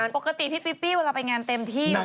ปกติพี่ปี้เวลาไปงานเต็มที่อยู่แล้ว